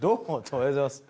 おはようございます。